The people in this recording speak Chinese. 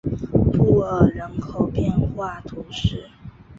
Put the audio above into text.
布尔人口变化图示